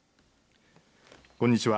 こんにちは。